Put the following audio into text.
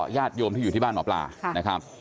ญาติโยมที่อยู่ที่บ้านหมอปลานะครับ